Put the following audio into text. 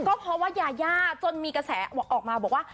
ก็เพราะว่ายาย่าจนมีกระแสออกมาบอกว่า